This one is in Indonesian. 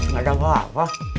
gak ada apa apa